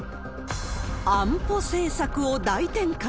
安保政策を大転換。